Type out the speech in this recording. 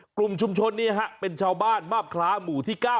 กลุ่มชุมชนนี้เป็นชาวบ้านมาบคล้าหมู่ที่๙